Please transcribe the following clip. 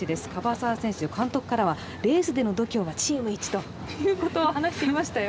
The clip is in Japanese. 樺沢選手、監督からはレースでの度胸はチーム一ということを話していましたよ。